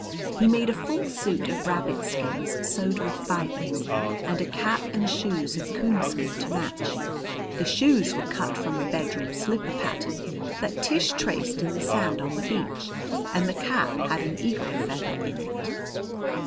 He made a full suit of rabbit skins sewed with fibers, and a cap and shoes of coonskin to match. The shoes were cut from a bedroom slipper pattern that Tish traced in the sand on the beach, and the cap had an eagle feather in it.